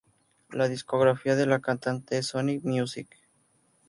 La discográfica de la cantante es Sony Music.